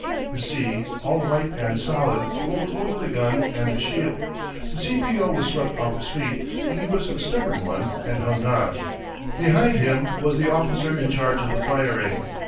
The sea, all white and solid, rolled over the gun and the shield. The C. P. O. was swept off his feet, but he was a stubborn one and hung on. Behind him was the officer in charge of the firing.